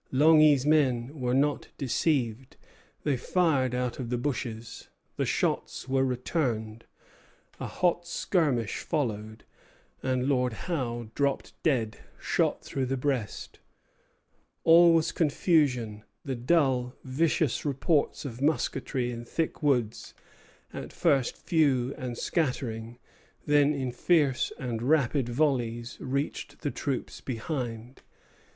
Langy's men were not deceived; they fired out of the bushes. The shots were returned; a hot skirmish followed; and Lord Howe dropped dead, shot through the breast. All was confusion. The dull, vicious reports of musketry in thick woods, at first few and scattering, then in fierce and rapid volleys, reached the troops behind.